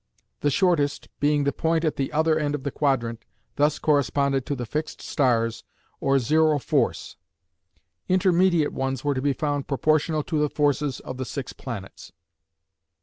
The shortest, being the point at the other end of the quadrant, thus corresponded to the fixed stars or zero force; intermediate ones were to be found proportional to the "forces" of the six planets.